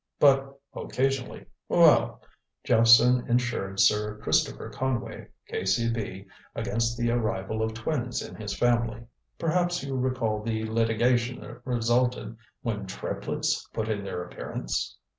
But occasionally well, Jephson insured Sir Christopher Conway, K.C.B., against the arrival of twins in his family. Perhaps you recall the litigation that resulted when triplets put in their appearance?"